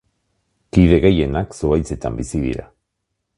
Kide gehienak zuhaitzetan bizi dira.